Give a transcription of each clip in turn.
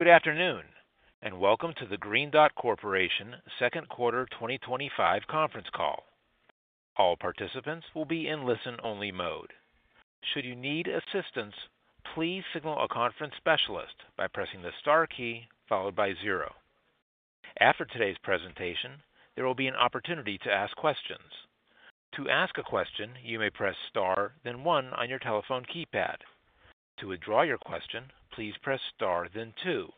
Good afternoon and welcome to the Green Dot Corporation Second Quarter 2025 Conference Call. All participants will be in listen-only mode. Should you need assistance, please signal a conference specialist by pressing the star key followed by zero. After today's presentation, there will be an opportunity to ask questions. To ask a question, you may press star, then one on your telephone keypad. To withdraw your question, please press star, then two.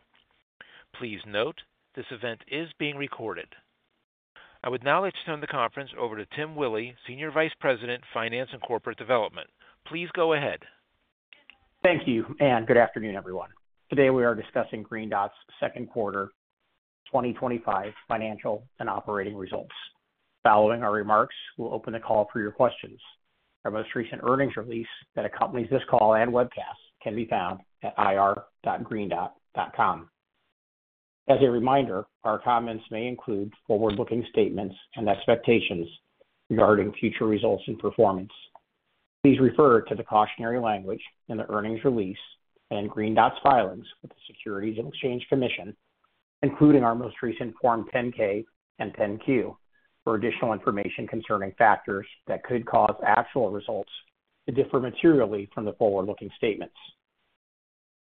Please note this event is being recorded. I would now like to turn the conference over to Tim Willi, Senior Vice President, Finance and Corporate Development. Please go ahead. Thank you, and good afternoon, everyone. Today we are discussing Green Dot's Second Quarter 2025 Financial and Operating Results. Following our remarks, we'll open the call for your questions. Our most recent earnings release that accompanies this call and webcast can be found at ir.greendot.com. As a reminder, our comments may include forward-looking statements and expectations regarding future results and performance. Please refer to the cautionary language in the earnings release and Green Dot's filings with the Securities and Exchange Commission, including our most recent Form 10-K and Form 10-Q, for additional information concerning factors that could cause actual results to differ materially from the forward-looking statements.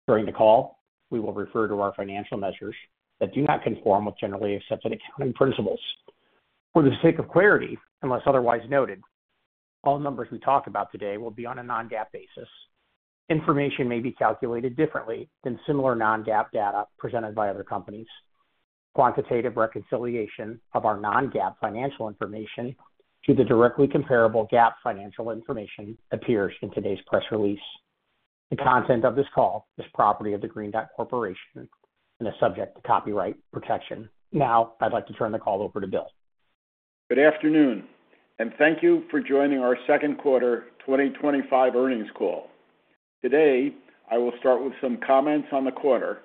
During the call, we will refer to our financial measures that do not conform with generally accepted accounting principles. For the sake of clarity, unless otherwise noted, all numbers we talk about today will be on a non-GAAP basis. Information may be calculated differently than similar non-GAAP data presented by other companies. Quantitative reconciliation of our non-GAAP financial information to the directly comparable GAAP financial information appears in today's press release. The content of this call is property of the Green Dot Corporation and is subject to copyright protection. Now, I'd like to turn the call over to Bill. Good afternoon, and thank you for joining our second quarter 2025 earnings call. Today, I will start with some comments on the quarter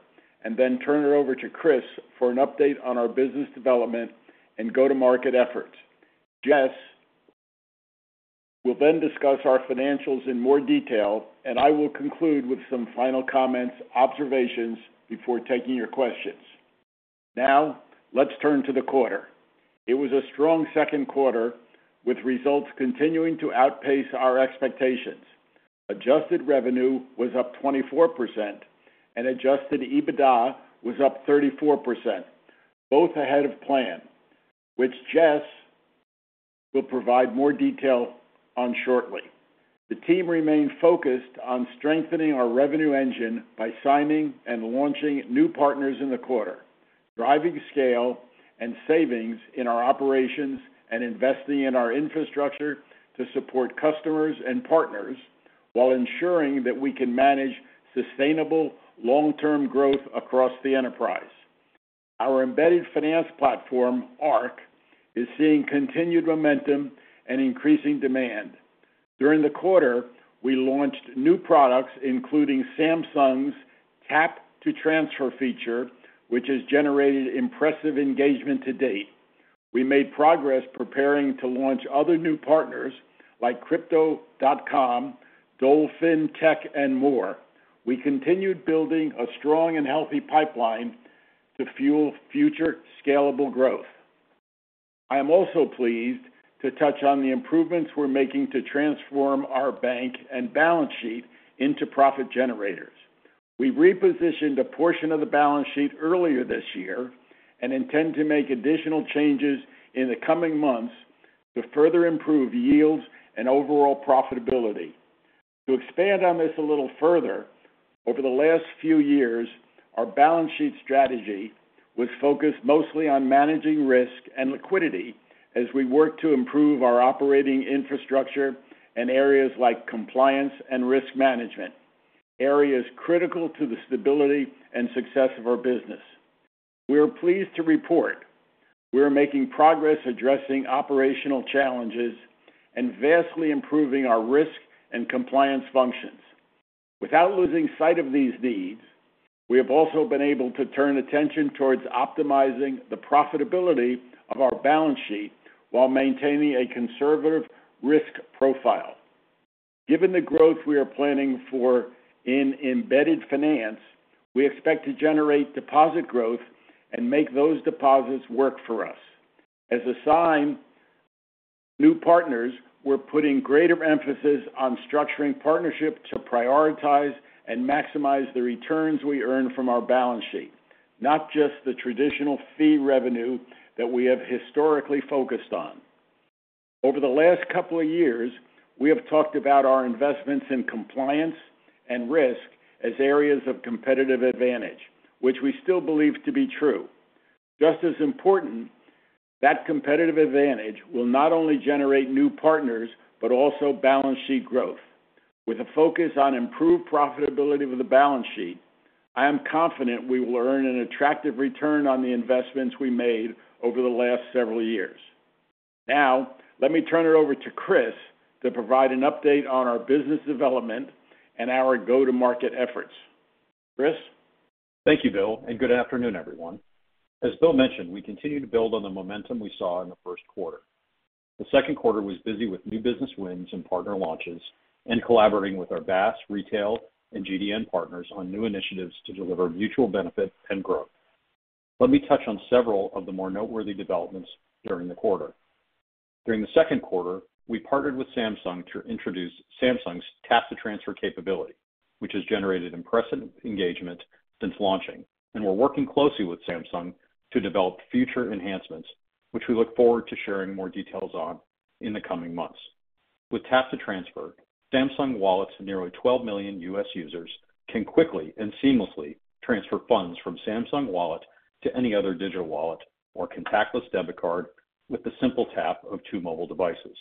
and then turn it over to Chris for an update on our business development and go-to-market efforts. Jess will then discuss our financials in more detail, and I will conclude with some final comments and observations before taking your questions. Now, let's turn to the quarter. It was a strong second quarter with results continuing to outpace our expectations. Adjusted revenue was up 24% and adjusted EBITDA was up 34%, both ahead of plan, which Jess will provide more detail on shortly. The team remained focused on strengthening our revenue engine by signing and launching new partners in the quarter, driving scale and savings in our operations, and investing in our infrastructure to support customers and partners while ensuring that we can manage sustainable long-term growth across the enterprise. Our embedded finance platform, ARC, is seeing continued momentum and increasing demand. During the quarter, we launched new products, including Samsung's Tap to Transfer feature, which has generated impressive engagement to date. We made progress preparing to launch other new partners like Crypto.com, Dolphin Tech, and more. We continued building a strong and healthy pipeline to fuel future scalable growth. I am also pleased to touch on the improvements we're making to transform our bank and balance sheet into profit generators. We repositioned a portion of the balance sheet earlier this year and intend to make additional changes in the coming months to further improve yields and overall profitability. To expand on this a little further, over the last few years, our balance sheet strategy was focused mostly on managing risk and liquidity as we worked to improve our operating infrastructure and areas like compliance and risk management, areas critical to the stability and success of our business. We are pleased to report we are making progress addressing operational challenges and vastly improving our risk and compliance functions. Without losing sight of these needs, we have also been able to turn attention towards optimizing the profitability of our balance sheet while maintaining a conservative risk profile. Given the growth we are planning for in embedded finance, we expect to generate deposit growth and make those deposits work for us. As a sign, new partners were putting greater emphasis on structuring partnerships to prioritize and maximize the returns we earn from our balance sheet, not just the traditional fee revenue that we have historically focused on. Over the last couple of years, we have talked about our investments in compliance and risk as areas of competitive advantage, which we still believe to be true. Just as important, that competitive advantage will not only generate new partners but also balance sheet growth. With a focus on improved profitability of the balance sheet, I am confident we will earn an attractive return on the investments we made over the last several years. Now, let me turn it over to Chris to provide an update on our business development and our go-to-market efforts. Chris? Thank you, Bill, and good afternoon, everyone. As Bill mentioned, we continue to build on the momentum we saw in the first quarter. The second quarter was busy with new business wins and partner launches and collaborating with our BaaS, Retail, and GDN partners on new initiatives to deliver mutual benefit and growth. Let me touch on several of the more noteworthy developments during the quarter. During the second quarter, we partnered with Samsung to introduce Samsung's Tap to Transfer capability, which has generated impressive engagement since launching, and we're working closely with Samsung to develop future enhancements, which we look forward to sharing more details on in the coming months. With Tap to Transfer, Samsung Wallets of nearly 12 million U.S. users can quickly and seamlessly transfer funds from Samsung Wallet to any other digital wallet or contactless debit card with the simple tap of two mobile devices.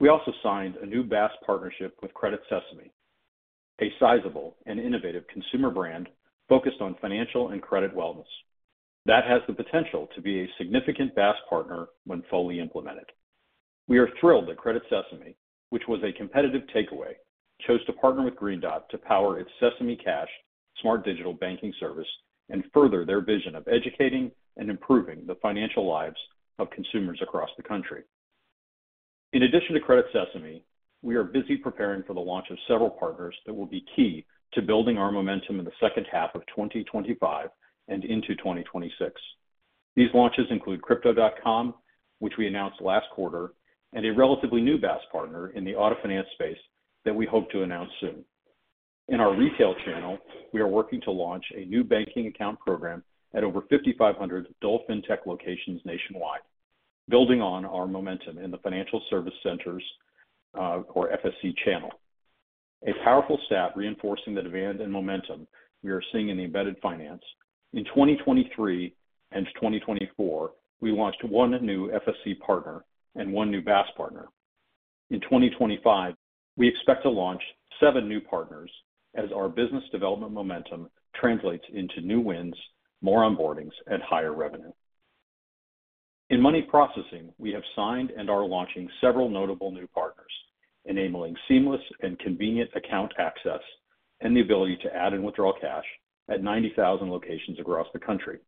We also signed a new BaaS partnership with Credit Sesame, a sizable and innovative consumer brand focused on financial and credit wellness. That has the potential to be a significant BaaS partner when fully implemented. We are thrilled that Credit Sesame, which was a competitive takeaway, chose to partner with Green Dot to power its Sesame Cash smart digital banking service and further their vision of educating and improving the financial lives of consumers across the country. In addition to Credit Sesame, we are busy preparing for the launch of several partners that will be key to building our momentum in the second half of 2025 and into 2026. These launches include Crypto.com, which we announced last quarter, and a relatively new BaaS partner in the auto finance space that we hope to announce soon. In our retail channel, we are working to launch a new banking account program at over 5,500 Dolphin Tech locations nationwide, building on our momentum in the financial service center or FSC channel. A powerful stat reinforcing the demand and momentum we are seeing in embedded finance. In 2023 and 2024, we launched one new FSC partner and one new BaaS partner. In 2025, we expect to launch seven new partners as our business development momentum translates into new wins, more onboardings, and higher revenue. In money processing, we have signed and are launching several notable new partners, enabling seamless and convenient account access and the ability to add and withdraw cash at 90,000 locations across the country.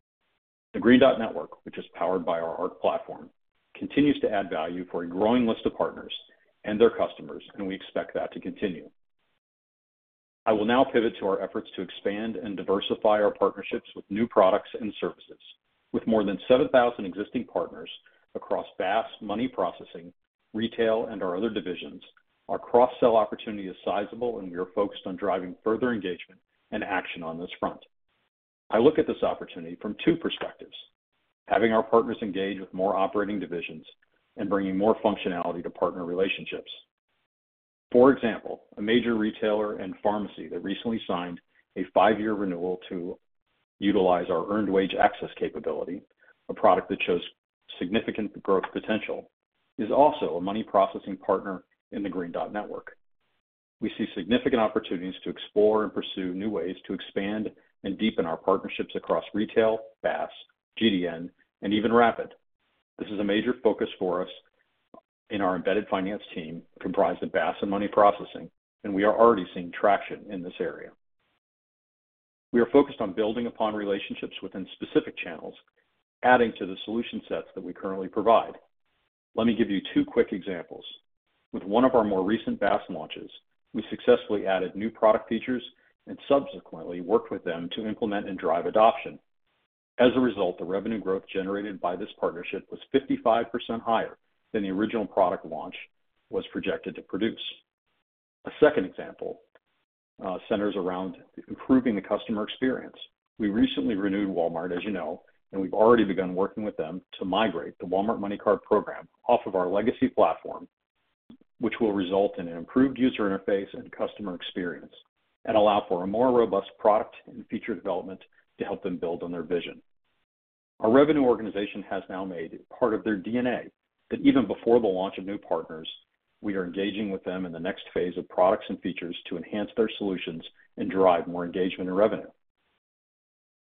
The Green Dot Network, which is powered by our ARC platform, continues to add value for a growing list of partners and their customers, and we expect that to continue. I will now pivot to our efforts to expand and diversify our partnerships with new products and services. With more than 7,000 existing partners across BaaS, money processing, retail, and our other divisions, our cross-sell opportunity is sizable, and we are focused on driving further engagement and action on this front. I look at this opportunity from two perspectives: having our partners engage with more operating divisions and bringing more functionality to partner relationships. For example, a major retailer and pharmacy that recently signed a five-year renewal to utilize our earned wage access capability, a product that shows significant growth potential, is also a money processing partner in the Green Dot Network. We see significant opportunities to explore and pursue new ways to expand and deepen our partnerships across retail, BaaS, GDN, and even rapid!. This is a major focus for us in our embedded finance team comprised of BaaS and money processing, and we are already seeing traction in this area. We are focused on building upon relationships within specific channels, adding to the solution sets that we currently provide. Let me give you two quick examples. With one of our more recent BaaS launches, we successfully added new product features and subsequently worked with them to implement and drive adoption. As a result, the revenue growth generated by this partnership was 55% higher than the original product launch was projected to produce. A second example centers around improving the customer experience. We recently renewed Walmart, as you know, and we've already begun working with them to migrate the Walmart MoneyCard program off of our legacy platform, which will result in an improved user interface and customer experience and allow for a more robust product and feature development to help them build on their vision. Our revenue organization has now made it part of their DNA that even before the launch of new partners, we are engaging with them in the next phase of products and features to enhance their solutions and drive more engagement and revenue.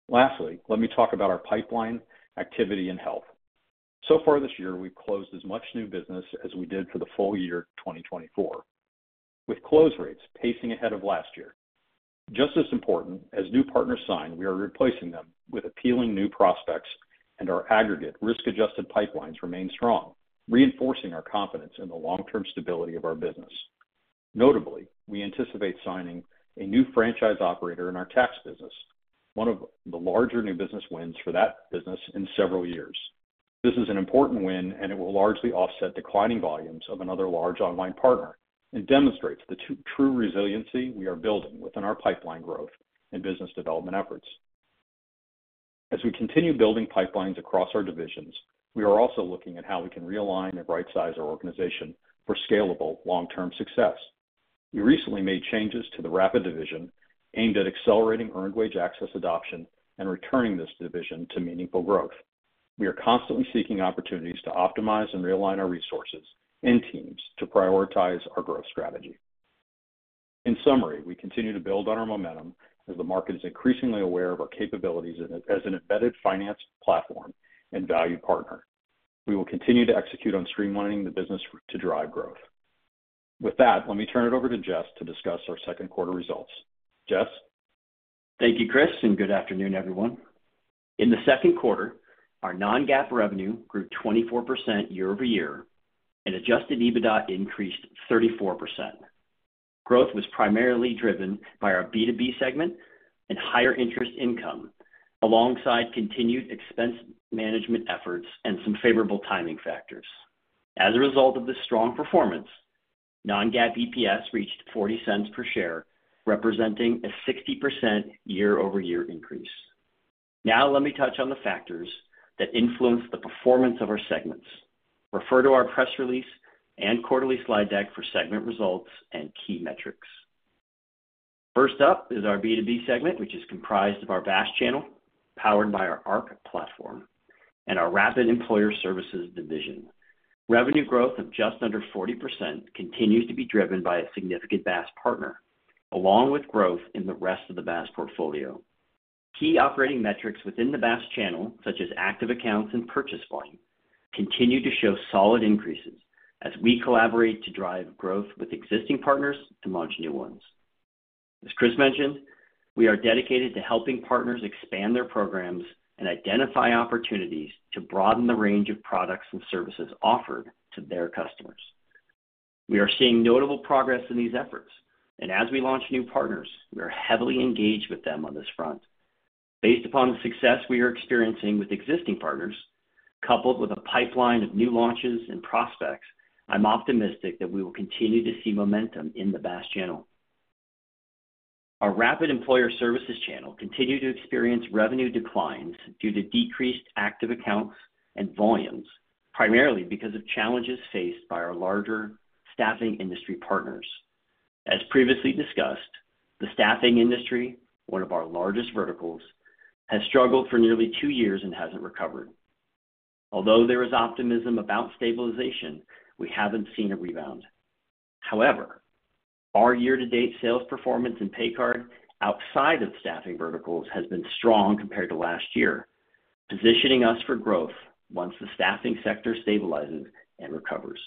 Lastly, let me talk about our pipeline activity and health. So far this year, we've closed as much new business as we did for the full year 2024, with close rates pacing ahead of last year. Just as important as new partners sign, we are replacing them with appealing new prospects, and our aggregate risk-adjusted pipelines remain strong, reinforcing our confidence in the long-term stability of our business. Notably, we anticipate signing a new franchise operator in our tax business, one of the larger new business wins for that business in several years. This is an important win, and it will largely offset declining volumes of another large online partner and demonstrates the true resiliency we are building within our pipeline growth and business development efforts. As we continue building pipelines across our divisions, we are also looking at how we can realign and right-size our organization for scalable long-term success. We recently made changes to the rapid! division aimed at accelerating earned wage access adoption and returning this division to meaningful growth. We are constantly seeking opportunities to optimize and realign our resources and teams to prioritize our growth strategy. In summary, we continue to build on our momentum as the market is increasingly aware of our capabilities as an embedded finance platform and value partner. We will continue to execute on streamlining the business to drive growth. With that, let me turn it over to Jess to discuss our second quarter results. Jess? Thank you, Chris, and good afternoon, everyone. In the second quarter, our non-GAAP revenue grew 24% year-over-year, and adjusted EBITDA increased 34%. Growth was primarily driven by our B2B segment and higher interest income, alongside continued expense management efforts and some favorable timing factors. As a result of this strong performance, non-GAAP EPS reached $0.40 per share, representing a 60% year-over-year increase. Now, let me touch on the factors that influenced the performance of our segments. Refer to our press release and quarterly slide deck for segment results and key metrics. First up is our B2B segment, which is comprised of our BaaS channel, powered by our ARC platform, and our rapid! Employer Services division. Revenue growth of just under 40% continues to be driven by a significant BaaS partner, along with growth in the rest of the BaaS portfolio. Key operating metrics within the BaaS channel, such as active accounts and purchase volume, continue to show solid increases as we collaborate to drive growth with existing partners and launch new ones. As Chris mentioned, we are dedicated to helping partners expand their programs and identify opportunities to broaden the range of products and services offered to their customers. We are seeing notable progress in these efforts, and as we launch new partners, we are heavily engaged with them on this front. Based upon the success we are experiencing with existing partners, coupled with a pipeline of new launches and prospects, I'm optimistic that we will continue to see momentum in the BaaS channel. Our rapid! Employer Services channel continued to experience revenue declines due to decreased active accounts and volumes, primarily because of challenges faced by our larger staffing industry partners. As previously discussed, the staffing industry, one of our largest verticals, has struggled for nearly two years and hasn't recovered. Although there is optimism about stabilization, we haven't seen a rebound. However, our year-to-date sales performance and pay card outside of staffing verticals has been strong compared to last year, positioning us for growth once the staffing sector stabilizes and recovers.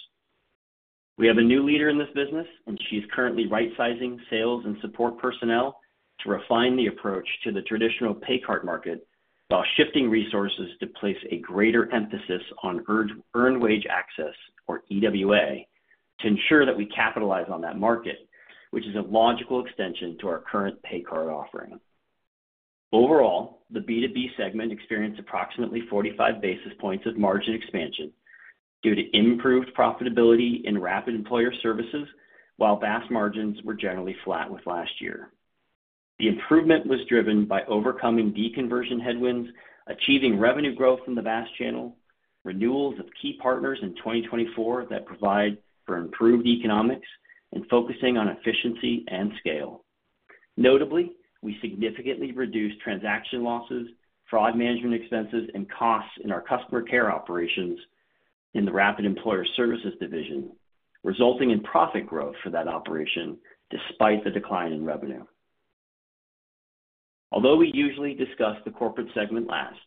We have a new leader in this business, and she's currently right-sizing sales and support personnel to refine the approach to the traditional pay card market while shifting resources to place a greater emphasis on earned wage access, or EWA, to ensure that we capitalize on that market, which is a logical extension to our current pay card offering. Overall, the B2B segment experienced approximately 45 basis points of margin expansion due to improved profitability in rapid! Employer Services, while BaaS margins were generally flat with last year. The improvement was driven by overcoming deconversion headwinds, achieving revenue growth in the BaaS channel, renewals of key partners in 2024 that provide for improved economics, and focusing on efficiency and scale. Notably, we significantly reduced transaction losses, fraud management expenses, and costs in our customer care operations in the Rapid Employer Services division, resulting in profit growth for that operation despite the decline in revenue. Although we usually discuss the corporate segment last,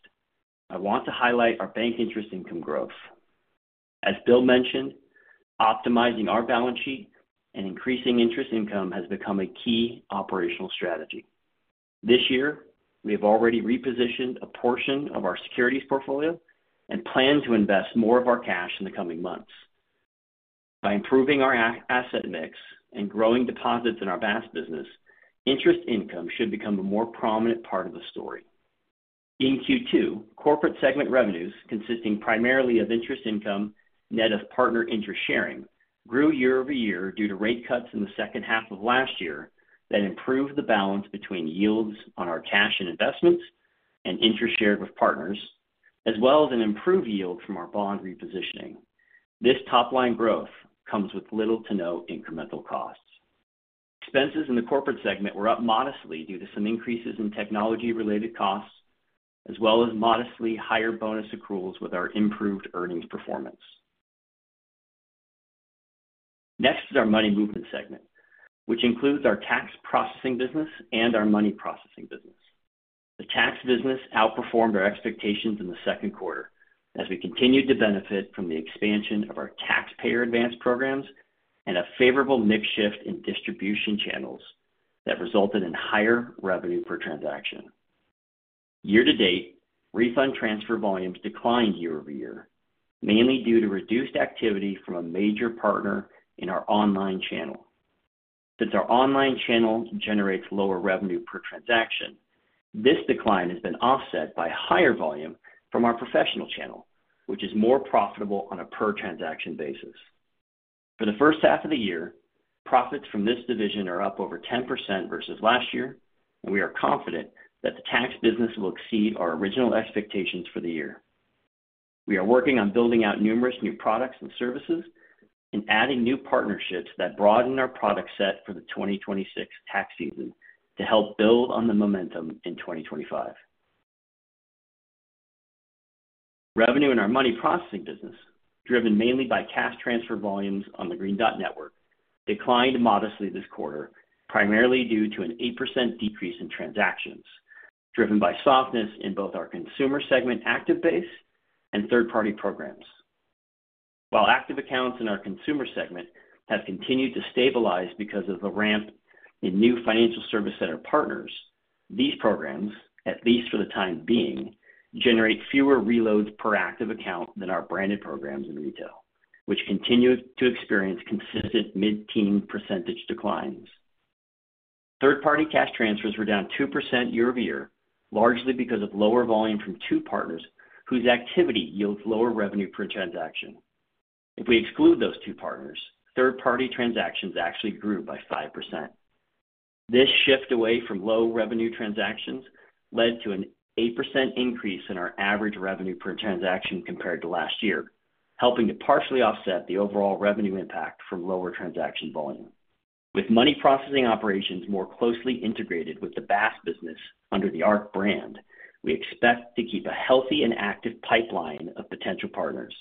I want to highlight our bank interest income growth. As Bill Jacobs mentioned, optimizing our balance sheet and increasing interest income has become a key operational strategy. This year, we have already repositioned a portion of our securities portfolio and plan to invest more of our cash in the coming months. By improving our asset mix and growing deposits in our BaaS business, interest income should become a more prominent part of the story. In Q2, corporate segment revenues, consisting primarily of interest income net of partner interest sharing, grew year-over-year due to rate cuts in the second half of last year that improved the balance between yields on our cash and investments and interest shared with partners, as well as an improved yield from our bond repositioning. This top-line growth comes with little to no incremental costs. Expenses in the corporate segment were up modestly due to some increases in technology-related costs, as well as modestly higher bonus accruals with our improved earnings performance. Next is our money movement segment, which includes our tax processing business and our money processing business. The tax business outperformed our expectations in the second quarter as we continued to benefit from the expansion of our taxpayer advance programs and a favorable mix shift in distribution channels that resulted in higher revenue per transaction. Year-to-date, refund transfer volumes declined year-over-year, mainly due to reduced activity from a major partner in our online channel. Since our online channel generates lower revenue per transaction, this decline has been offset by higher volume from our professional channel, which is more profitable on a per-transaction basis. For the first half of the year, profits from this division are up over 10% versus last year, and we are confident that the tax business will exceed our original expectations for the year. We are working on building out numerous new products and services and adding new partnerships that broaden our product set for the 2026 tax season to help build on the momentum in 2025. Revenue in our money processing business, driven mainly by cash transfer volumes on the Green Dot Network, declined modestly this quarter, primarily due to an 8% decrease in transactions, driven by softness in both our consumer segment active base and third-party programs. While active accounts in our consumer segment have continued to stabilize because of a ramp in new financial service center partners, these programs, at least for the time being, generate fewer reloads per active account than our branded programs in retail, which continue to experience consistent mid-teen percentage declines. Third-party cash transfers were down 2% year-over-year, largely because of lower volume from two partners whose activity yields lower revenue per transaction. If we exclude those two partners, third-party transactions actually grew by 5%. This shift away from low revenue transactions led to an 8% increase in our average revenue per transaction compared to last year, helping to partially offset the overall revenue impact from lower transaction volume. With money processing operations more closely integrated with the BaaS business under the ARC brand, we expect to keep a healthy and active pipeline of potential partners.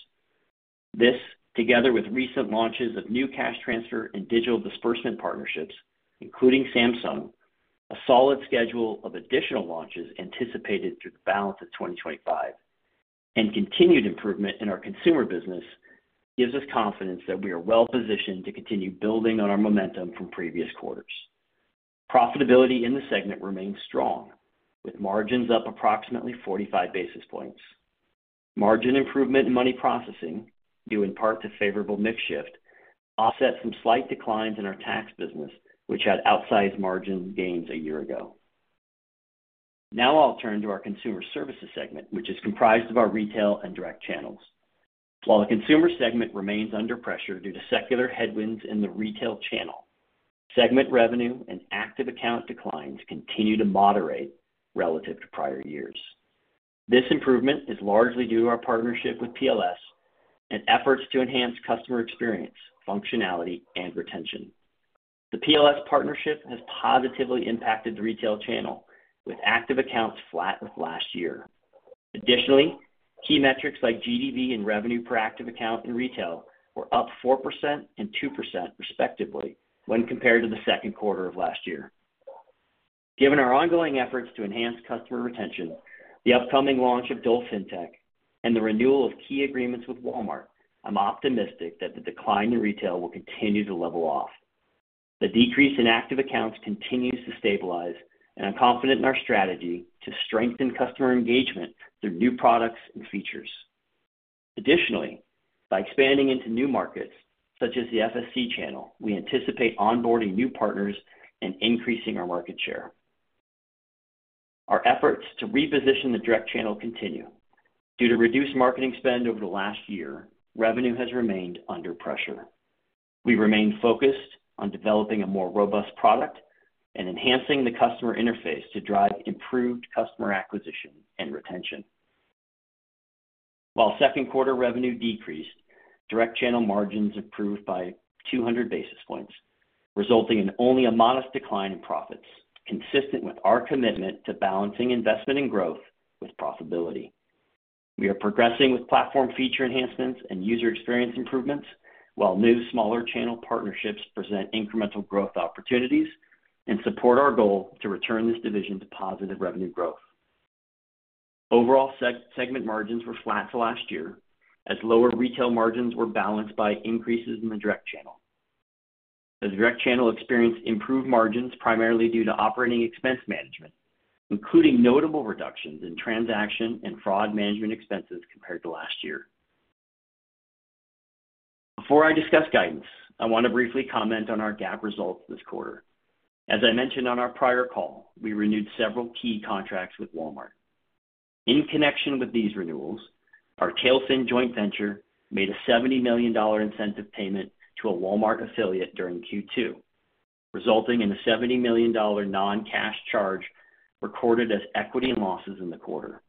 This, together with recent launches of new cash transfer and digital disbursement partnerships, including Samsung, a solid schedule of additional launches anticipated through the balance of 2025 and continued improvement in our consumer business gives us confidence that we are well positioned to continue building on our momentum from previous quarters. Profitability in the segment remains strong, with margins up approximately 45 basis points. Margin improvement in money processing, due in part to favorable mix shift, offset some slight declines in our tax business, which had outsized margin gains a year ago. Now I'll turn to our consumer services segment, which is comprised of our retail and direct channels. While the consumer segment remains under pressure due to secular headwinds in the retail channel, segment revenue and active account declines continue to moderate relative to prior years. This improvement is largely due to our partnership with PLS and efforts to enhance customer experience, functionality, and retention. The PLS partnership has positively impacted the retail channel, with active accounts flat with last year. Additionally, key metrics like GDV and revenue per active account in retail were up 4% and 2% respectively when compared to the second quarter of last year. Given our ongoing efforts to enhance customer retention, the upcoming launch of Dolphin Tech, and the renewal of key agreements with Walmart, I'm optimistic that the decline in retail will continue to level off. The decrease in active accounts continues to stabilize, and I'm confident in our strategy to strengthen customer engagement through new products and features. Additionally, by expanding into new markets, such as the FSC channel, we anticipate onboarding new partners and increasing our market share. Our efforts to reposition the direct channel continue. Due to reduced marketing spend over the last year, revenue has remained under pressure. We remain focused on developing a more robust product and enhancing the customer interface to drive improved customer acquisition and retention. While second quarter revenue decreased, direct channel margins improved by 200 basis points, resulting in only a modest decline in profits, consistent with our commitment to balancing investment and growth with profitability. We are progressing with platform feature enhancements and user experience improvements, while new smaller channel partnerships present incremental growth opportunities and support our goal to return this division to positive revenue growth. Overall segment margins were flat for last year, as lower retail margins were balanced by increases in the direct channel. The direct channel experienced improved margins primarily due to operating expense management, including notable reductions in transaction and fraud management expenses compared to last year. Before I discuss guidance, I want to briefly comment on our GAAP results this quarter. As I mentioned on our prior call, we renewed several key contracts with Walmart. In connection with these renewals, our Tailfin joint venture made a $70 million incentive payment to a Walmart affiliate during Q2, resulting in a $70 million non-cash charge recorded as equity and losses in the quarter.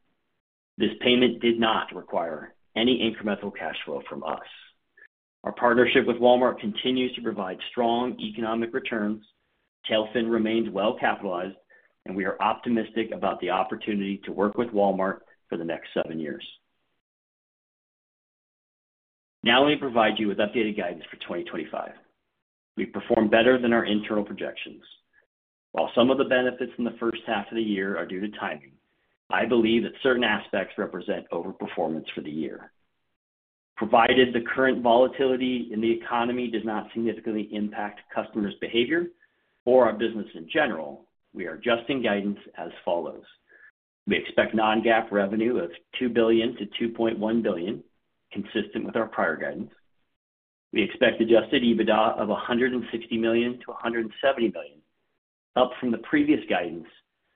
This payment did not require any incremental cash flow from us. Our partnership with Walmart continues to provide strong economic returns, Tailfin remains well capitalized, and we are optimistic about the opportunity to work with Walmart for the next seven years. Now let me provide you with updated guidance for 2025. We perform better than our internal projections. While some of the benefits in the first half of the year are due to timing, I believe that certain aspects represent overperformance for the year. Provided the current volatility in the economy does not significantly impact customers' behavior or our business in general, we are adjusting guidance as follows. We expect non-GAAP revenue of $2 billion-$2.1 billion, consistent with our prior guidance. We expect adjusted EBITDA of $160 million-$170 million, up from the previous guidance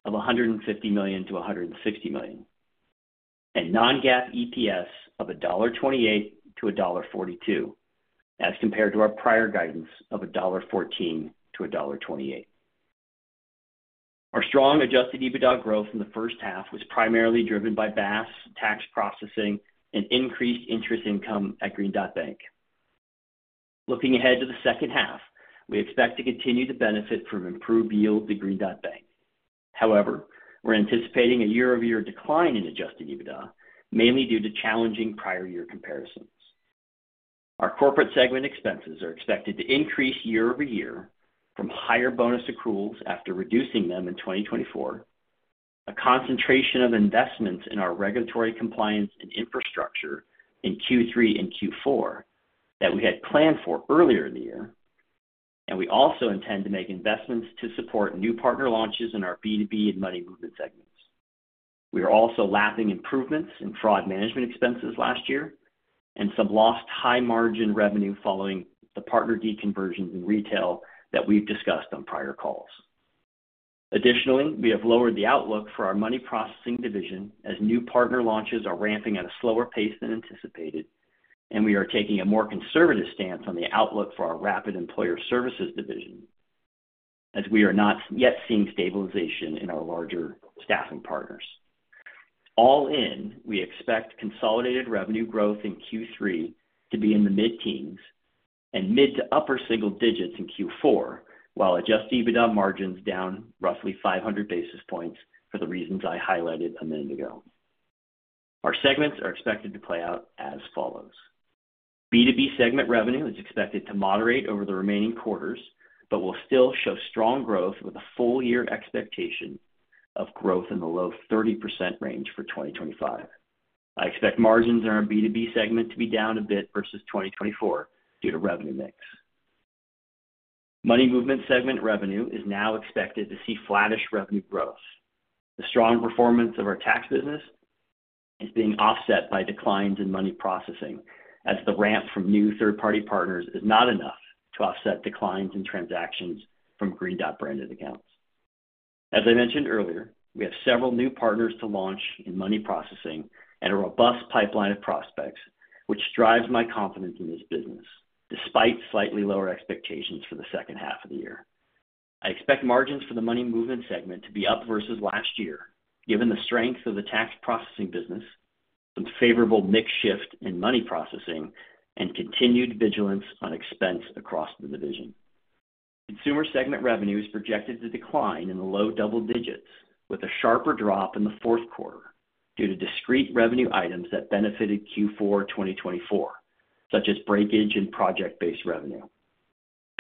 of $150 million-$160 million, and non-GAAP EPS of $1.28-$1.42, as compared to our prior guidance of $1.14-$1.28. Our strong adjusted EBITDA growth in the first half was primarily driven by BaaS, tax processing, and increased interest income at Green Dot Bank. Looking ahead to the second half, we expect to continue to benefit from improved yield to Green Dot Bank. However, we're anticipating a year-over-year decline in adjusted EBITDA, mainly due to challenging prior year comparisons. Our corporate segment expenses are expected to increase year-over-year from higher bonus accruals after reducing them in 2024, a concentration of investments in our regulatory compliance and infrastructure in Q3 and Q4 that we had planned for earlier in the year, and we also intend to make investments to support new partner launches in our B2B and money movement segments. We are also lapping improvements in fraud management expenses last year and some lost high margin revenue following the partner deconversions in retail that we've discussed on prior calls. Additionally, we have lowered the outlook for our money processing division as new partner launches are ramping at a slower pace than anticipated, and we are taking a more conservative stance on the outlook for our rapid! Employer Services division as we are not yet seeing stabilization in our larger staffing partners. All in, we expect consolidated revenue growth in Q3 to be in the mid-teens and mid to upper single digits in Q4, while adjusted EBITDA margins down roughly 500 basis points for the reasons I highlighted a minute ago. Our segments are expected to play out as follows. B2B segment revenue is expected to moderate over the remaining quarters, but will still show strong growth with a full year expectation of growth in the low 30% range for 2025. I expect margins in our B2B segment to be down a bit versus 2024 due to revenue mix. Money movement segment revenue is now expected to see flattish revenue growth. The strong performance of our tax business is being offset by declines in money processing as the ramp from new third-party partners is not enough to offset declines in transactions from Green Dot branded accounts. As I mentioned earlier, we have several new partners to launch in money processing and a robust pipeline of prospects, which drives my confidence in this business, despite slightly lower expectations for the second half of the year. I expect margins for the money movement segment to be up versus last year, given the strength of the tax processing business, some favorable mix shift in money processing, and continued vigilance on expense across the division. Consumer segment revenue is projected to decline in the low double digits, with a sharper drop in the fourth quarter due to discrete revenue items that benefited Q4 2024, such as breakage and project-based revenue.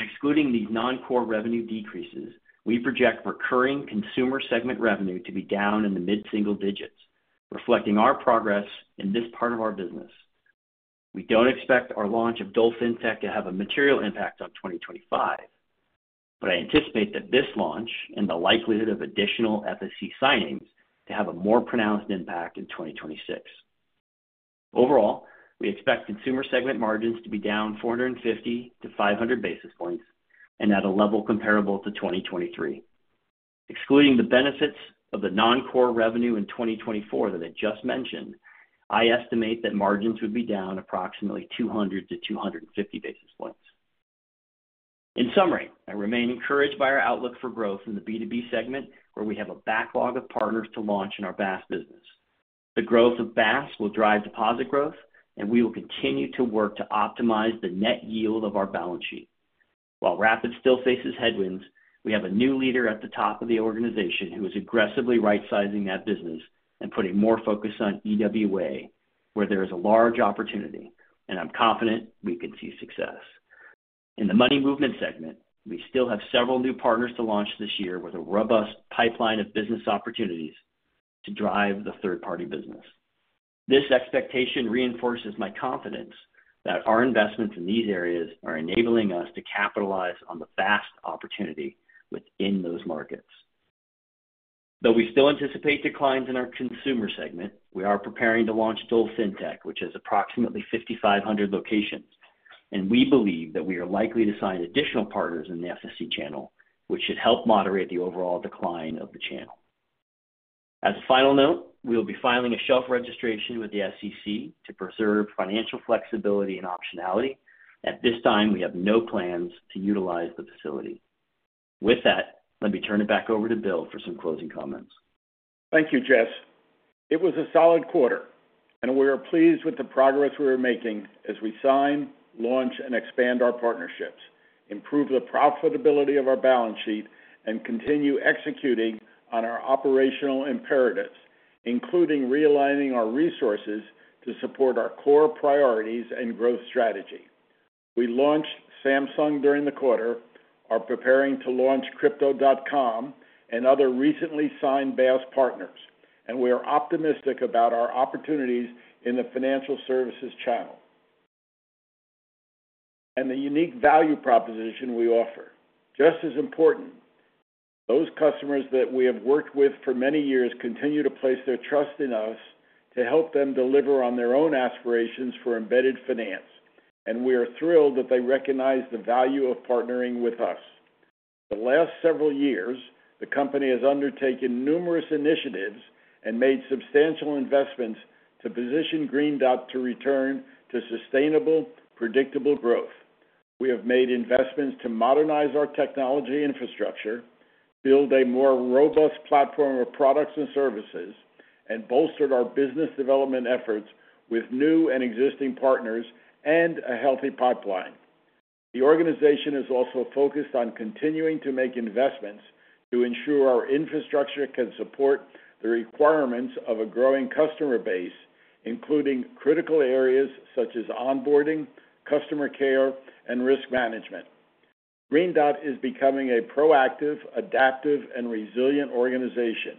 Excluding these non-core revenue decreases, we project recurring consumer segment revenue to be down in the mid-single digits, reflecting our progress in this part of our business. We don't expect our launch of Dolphin Tech to have a material impact on 2025, but I anticipate that this launch and the likelihood of additional FSC signings to have a more pronounced impact in 2026. Overall, we expect consumer segment margins to be down 450 basis points-500 basis points and at a level comparable to 2023. Excluding the benefits of the non-core revenue in 2024 that I just mentioned, I estimate that margins would be down approximately 200 basis points-250 basis points. In summary, I remain encouraged by our outlook for growth in the B2B segment, where we have a backlog of partners to launch in our BaaS business. The growth of BaaS will drive deposit growth, and we will continue to work to optimize the net yield of our balance sheet. While rapid! still faces headwinds, we have a new leader at the top of the organization who is aggressively right-sizing that business and putting more focus on earned wage access, where there is a large opportunity, and I'm confident we could see success. In the money movement segment, we still have several new partners to launch this year with a robust pipeline of business opportunities to drive the third-party business. This expectation reinforces my confidence that our investments in these areas are enabling us to capitalize on the vast opportunity within those markets. Though we still anticipate declines in our consumer segment, we are preparing to launch Dolphin Tech, which has approximately 5,500 locations, and we believe that we are likely to sign additional partners in the financial service center channel, which should help moderate the overall decline of the channel. As a final note, we will be filing a shelf registration with the SEC to preserve financial flexibility and optionality. At this time, we have no plans to utilize the facility. With that, let me turn it back over to Bill for some closing comments. Thank you, Jess. It was a solid quarter, and we are pleased with the progress we are making as we sign, launch, and expand our partnerships, improve the profitability of our balance sheet, and continue executing on our operational imperatives, including realigning our resources to support our core priorities and growth strategy. We launched Samsung during the quarter, are preparing to launch Crypto.com and other recently signed BaaS partners, and we are optimistic about our opportunities in the financial service center (FSC) channel and the unique value proposition we offer. Just as important, those customers that we have worked with for many years continue to place their trust in us to help them deliver on their own aspirations for embedded finance, and we are thrilled that they recognize the value of partnering with us. The last several years, the company has undertaken numerous initiatives and made substantial investments to position Green Dot to return to sustainable, predictable growth. We have made investments to modernize our technology infrastructure, build a more robust platform of products and services, and bolstered our business development efforts with new and existing partners and a healthy pipeline. The organization is also focused on continuing to make investments to ensure our infrastructure can support the requirements of a growing customer base, including critical areas such as onboarding, customer care, and risk management. Green Dot is becoming a proactive, adaptive, and resilient organization.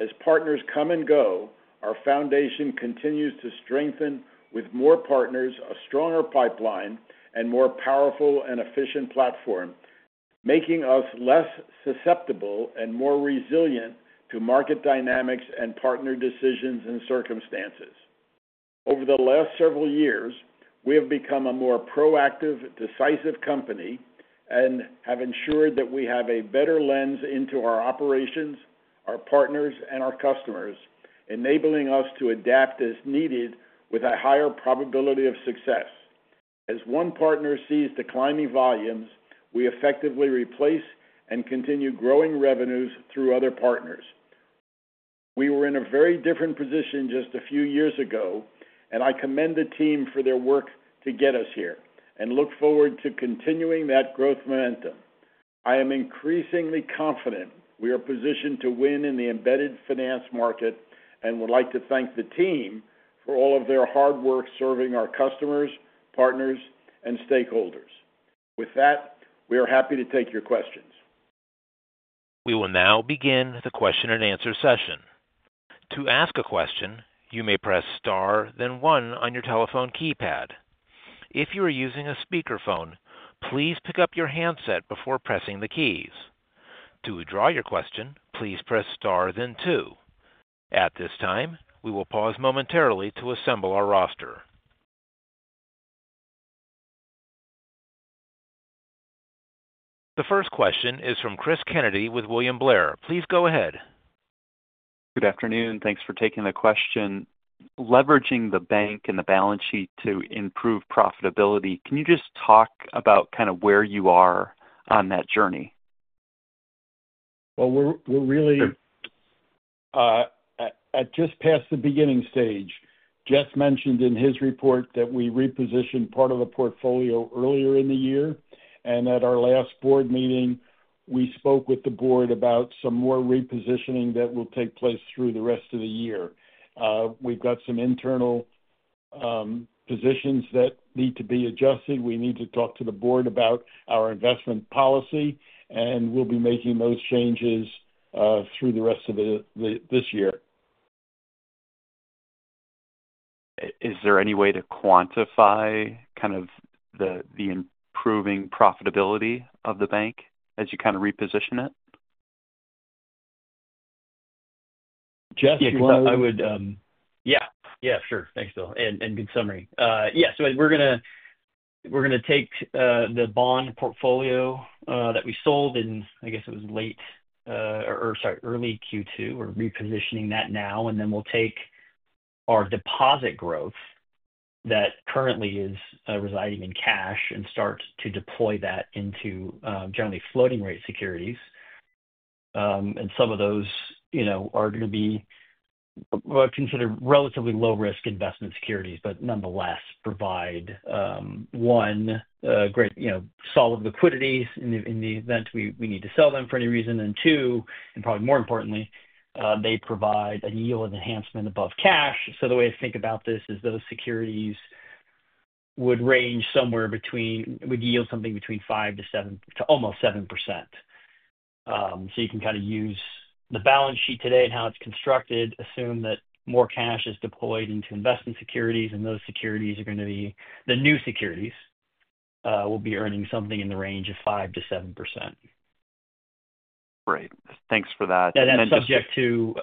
As partners come and go, our foundation continues to strengthen with more partners, a stronger pipeline, and a more powerful and efficient platform, making us less susceptible and more resilient to market dynamics and partner decisions and circumstances. Over the last several years, we have become a more proactive, decisive company and have ensured that we have a better lens into our operations, our partners, and our customers, enabling us to adapt as needed with a higher probability of success. As one partner sees declining volumes, we effectively replace and continue growing revenues through other partners. We were in a very different position just a few years ago, and I commend the team for their work to get us here and look forward to continuing that growth momentum. I am increasingly confident we are positioned to win in the embedded finance market and would like to thank the team for all of their hard work serving our customers, partners, and stakeholders. With that, we are happy to take your questions. We will now begin the question and answer session. To ask a question, you may press star, then one on your telephone keypad. If you are using a speakerphone, please pick up your handset before pressing the keys. To withdraw your question, please press star, then two. At this time, we will pause momentarily to assemble our roster. The first question is from Chris Kennedy with William Blair. Please go ahead. Good afternoon. Thanks for taking the question. Leveraging the bank and the balance sheet to improve profitability, can you just talk about kind of where you are on that journey? We're really at just past the beginning stage. Jess mentioned in his report that we repositioned part of the portfolio earlier in the year, and at our last board meeting, we spoke with the board about some more repositioning that will take place through the rest of the year. We've got some internal positions that need to be adjusted. We need to talk to the board about our investment policy, and we'll be making those changes through the rest of this year. Is there any way to quantify the improving profitability of the bank as you reposition it? Yeah, sure. Thanks, Bill. Good summary. We're going to take the bond portfolio that we sold in, I guess it was early Q2. We're repositioning that now, and we'll take our deposit growth that currently is residing in cash and start to deploy that into generally floating-rate securities. Some of those are going to be considered relatively low-risk investment securities, but nonetheless provide, one, great, solid liquidity in the event we need to sell them for any reason, and two, probably more importantly, they provide a yield enhancement above cash. The way to think about this is those securities would yield something between 5% to almost 7%. You can use the balance sheet today and how it's constructed, assume that more cash is deployed into investment securities, and those securities are going to be, the new securities will be earning something in the range of 5%-7%. Right, thanks for that. That is subject to,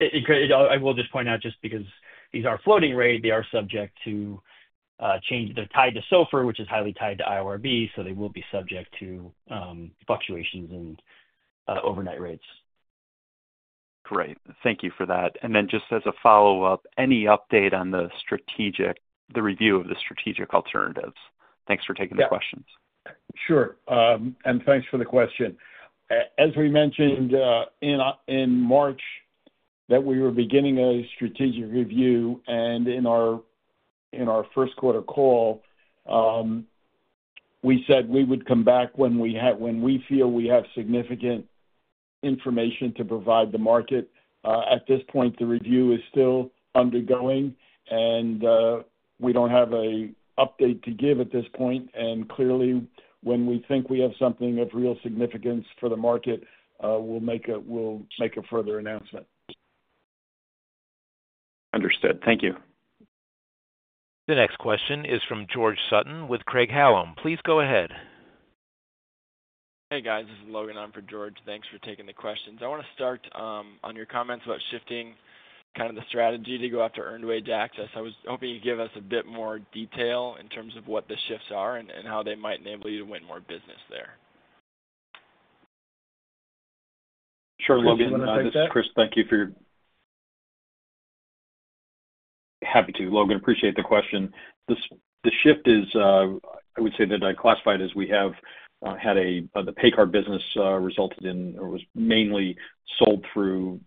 I will just point out, just because these are floating-rate, they are subject to change. They're tied to SOFR, which is highly tied to IORB, so they will be subject to fluctuations in overnight rates. Great. Thank you for that. Just as a follow-up, any update on the review of the strategic alternatives? Thanks for taking the questions. Sure. Thanks for the question. As we mentioned in March, we were beginning a strategic review, and in our first quarter call, we said we would come back when we feel we have significant information to provide the market. At this point, the review is still ongoing, and we don't have an update to give at this point. Clearly, when we think we have something of real significance for the market, we'll make a further announcement. Understood. Thank you. The next question is from George Sutton with Craig-Hallum. Please go ahead. Hey guys, this is Logan. I'm for George. Thanks for taking the questions. I want to start on your comments about shifting kind of the strategy to go after earned wage access. I was hoping you could give us a bit more detail in terms of what the shifts are and how they might enable you to win more business there. Sure, Chris, you want to take that? Yes, Chris, thank you. Happy to. Logan, appreciate the question. The shift is, I would say that I classify it as we have had a, the pay card business resulted in, it was mainly sold through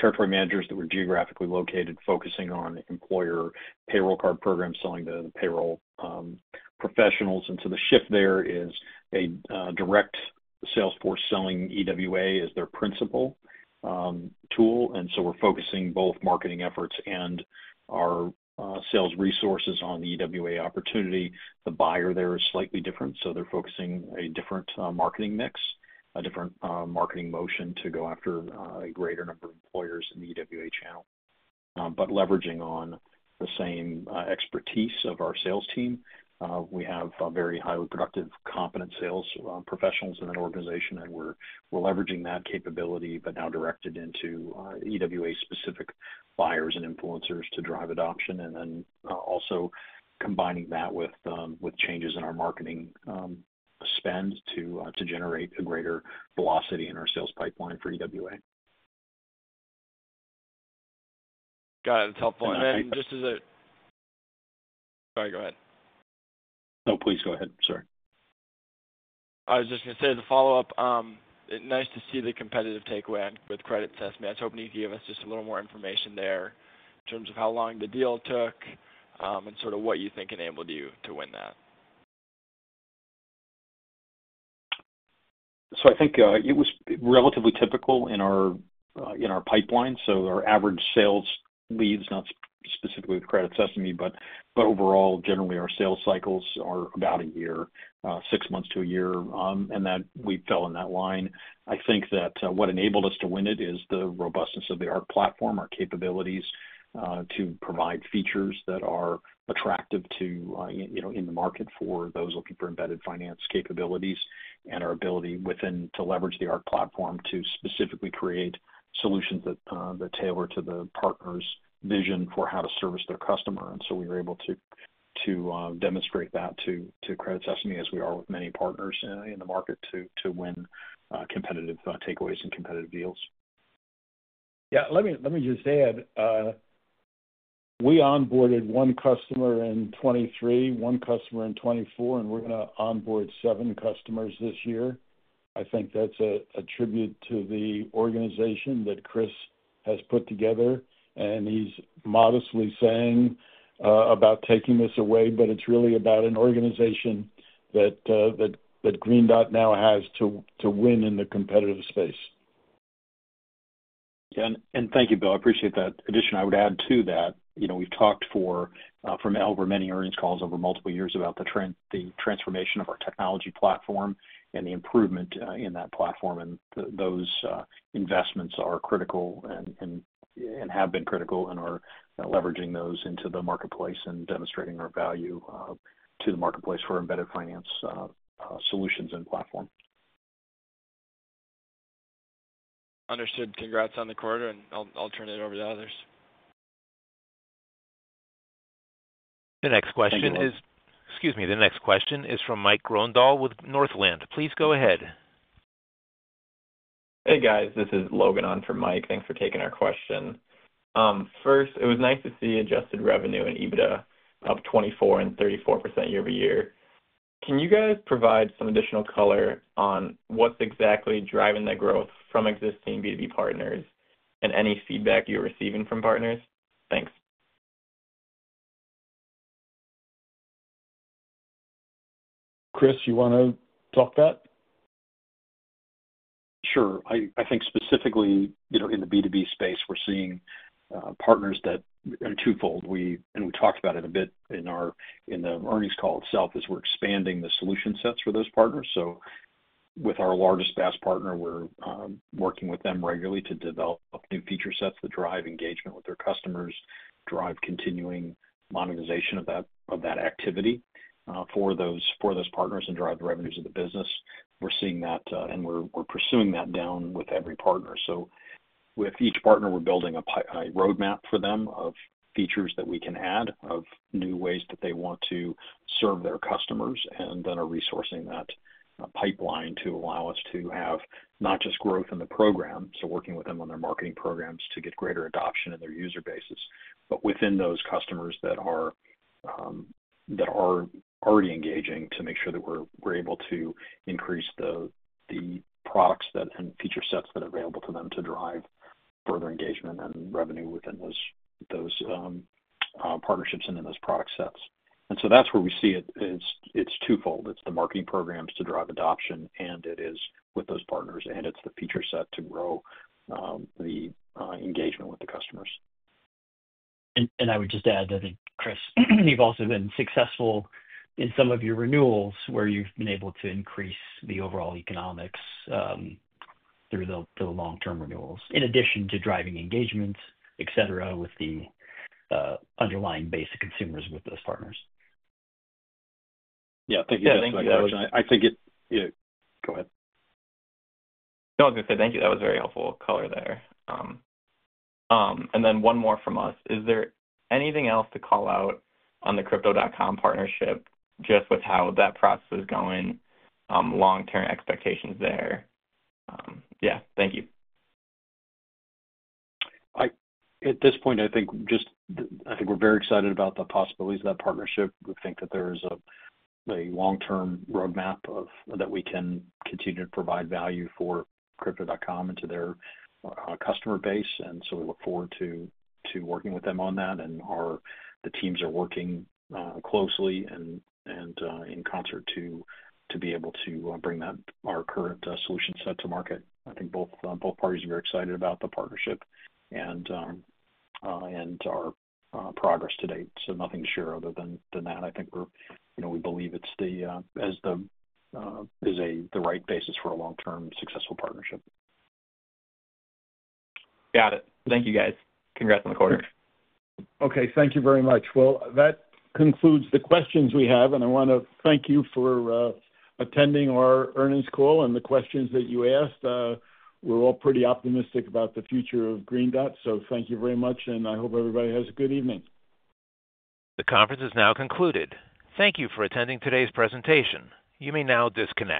territory managers that were geographically located, focusing on employer payroll card programs, selling to the payroll professionals. The shift there is a direct Salesforce selling EWA as their principal tool. We're focusing both marketing efforts and our sales resources on the EWA opportunity. The buyer there is slightly different, so they're focusing a different marketing mix, a different marketing motion to go after a greater number of employers in the EWA channel. Leveraging on the same expertise of our sales team, we have very highly productive, competent sales professionals in that organization, and we're leveraging that capability, but now directed into EWA-specific buyers and influencers to drive adoption. Also combining that with changes in our marketing spend to generate a greater velocity in our sales pipeline for EWA. Got it. That's helpful. Go ahead. Oh, please go ahead. Sorry. I was just going to say the follow-up. It's nice to see the competitive takeaway with Credit Sesame. I was hoping you could give us just a little more information there in terms of how long the deal took and sort of what you think enabled you to win that. I think it was relatively typical in our pipeline. Our average sales leads, not specifically with Credit Sesame, but overall, generally, our sales cycles are about a year, six months to a year, and that we fell in that line. I think that what enabled us to win it is the robustness of the ARC platform, our capabilities to provide features that are attractive to, you know, in the market for those looking for embedded finance capabilities, and our ability within to leverage the ARC platform to specifically create solutions that tailor to the partner's vision for how to service their customer. We were able to demonstrate that to Credit Sesame as we are with many partners in the market to win competitive takeaways and competitive deals. Let me just add, we onboarded one customer in 2023, one customer in 2024, and we're going to onboard seven customers this year. I think that's a tribute to the organization that Chris has put together, and he's modestly saying about taking this away, but it's really about an organization that Green Dot now has to win in the competitive space. Thank you, Bill. I appreciate that. In addition, I would add to that, we've talked for over many earnings calls over multiple years about the transformation of our technology platform and the improvement in that platform. Those investments are critical and have been critical and are leveraging those into the marketplace and demonstrating our value to the marketplace for embedded finance solutions and platform. Understood. Congrats on the quarter, and I'll turn it over to others. The next question is from Mike Grondahl with Northland. Please go ahead. Hey guys, this is Logan on from Mike. Thanks for taking our question. First, it was nice to see adjusted revenue and EBITDA up 24% and 34% year-over-year. Can you guys provide some additional color on what's exactly driving that growth from existing B2B partners and any feedback you're receiving from partners? Thanks. Chris, you want to talk to that? Sure. I think specifically, you know, in the B2B space, we're seeing partners that are twofold. We talked about it a bit in our, in the earnings call itself as we're expanding the solution sets for those partners. With our largest BaaS partner, we're working with them regularly to develop new feature sets that drive engagement with their customers, drive continuing monetization of that activity for those partners, and drive the revenues of the business. We're seeing that and we're pursuing that down with every partner. With each partner, we're building a roadmap for them of features that we can add, of new ways that they want to serve their customers, and then are resourcing that pipeline to allow us to have not just growth in the program, working with them on their marketing programs to get greater adoption in their user bases, but within those customers that are already engaging to make sure that we're able to increase the products and feature sets that are available to them to drive further engagement and revenue within those partnerships and in those product sets. That's where we see it. It's twofold. It's the marketing programs to drive adoption, and it is with those partners, and it's the feature set to grow the engagement with the customers. I would just add that I think, Chris, you've also been successful in some of your renewals where you've been able to increase the overall economics through the long-term renewals, in addition to driving engagements, etc., with the underlying base of consumers with those partners. Thank you for that. I think it, go ahead. Thank you. That was very helpful color there. One more from us. Is there anything else to call out on the Crypto.com partnership, just with how that process is going, long-term expectations there? Yeah, thank you. At this point, I think we're very excited about the possibilities of that partnership. We think that there is a long-term roadmap that we can continue to provide value for Crypto.com and to their customer base. We look forward to working with them on that, and the teams are working closely and in concert to be able to bring our current solution set to market. I think both parties are very excited about the partnership and our progress to date. Nothing to share other than that. We believe it is the right basis for a long-term successful partnership. Got it. Thank you, guys. Congrats on the quarter. Okay, thank you very much. That concludes the questions we have, and I want to thank you for attending our earnings call and the questions that you asked. We're all pretty optimistic about the future of Green Dot, so thank you very much, and I hope everybody has a good evening. The conference is now concluded. Thank you for attending today's presentation. You may now disconnect.